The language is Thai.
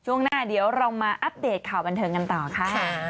ช่วงหน้าเดี๋ยวเรามาอัปเดตข่าวบันเทิงกันต่อค่ะ